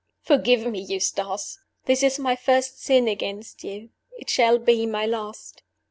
"Forgive me, Eustace! This is my first sin against you. It shall be my last.